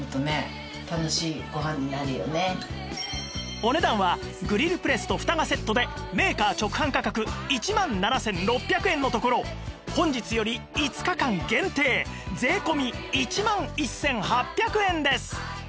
お値段はグリルプレスとフタがセットでメーカー直販価格１万７６００円のところ本日より５日間限定税込１万１８００円です